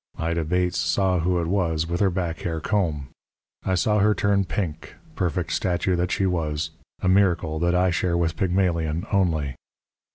Ida Bates saw who it was with her back hair comb. I saw her turn pink, perfect statue that she was a miracle that I share with Pygmalion only.